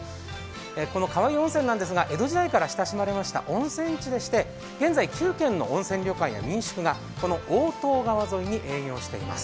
この川湯温泉なんですが江戸時代から親しまれている温泉地でして、現在９軒の温泉旅館や民宿がこの川沿いに営業しています。